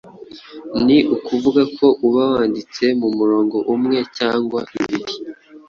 Ni ukuvuga ko uba wanditse mu murongo umwe cyangwa ibiri.